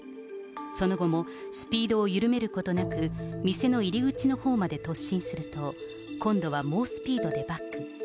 その後もスピードを緩めることなく、店の入り口のほうまで突進すると、今度は猛スピードでバック。